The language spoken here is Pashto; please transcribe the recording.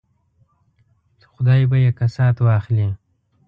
خدای به یې کسات واخلي.